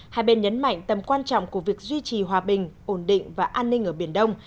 hai bên nhấn mạnh tầm quan trọng của việc duy trì hòa bình ổn định và an ninh ở biển đông